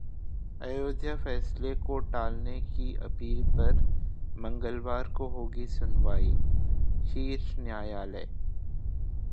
अयोध्या फैसले को टालने की अपील पर मंगलवार को होगी सुनवाई: शीर्ष न्यायालय